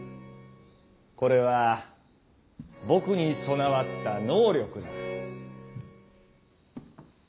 これは僕に備わった「能力」だ。